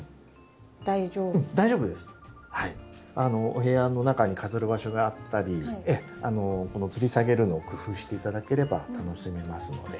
お部屋の中に飾る場所があったりこのつり下げるのを工夫して頂ければ楽しめますので。